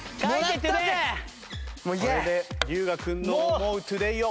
これで龍我君の思うトゥデイを。